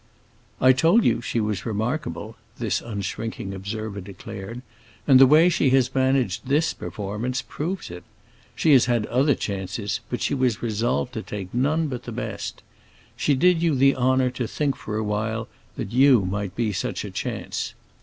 "I told you she was remarkable," this unshrinking observer declared, "and the way she has managed this performance proves it. She has had other chances, but she was resolved to take none but the best. She did you the honor to think for a while that you might be such a chance.